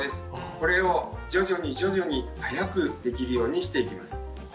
これを徐々に徐々に早くできるようにしていきます。